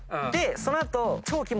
その後。